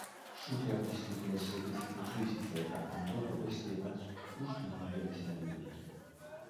Sutea piztu den etxebizitza eta ondoko beste batzuk hustu egin behar izan dituzte.